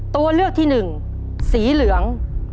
ตัวเลือกที่หนึ่งสีเหลือง